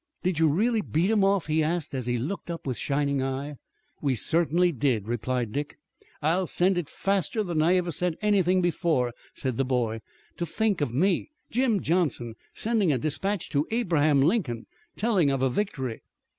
"Did you really beat 'em off?" he asked as he looked up with shining eye. "We certainly did," replied Dick. "I'll send it faster than I ever sent anything before," said the boy. "To think of me, Jim Johnson, sending a dispatch to Abraham Lincoln, telling of a victory!"